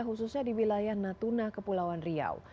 khususnya di wilayah natuna kepulauan riau